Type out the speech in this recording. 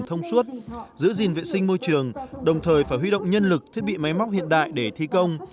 thông suốt giữ gìn vệ sinh môi trường đồng thời phải huy động nhân lực thiết bị máy móc hiện đại để thi công